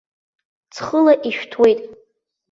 Ҵхыла ишәҭуеит.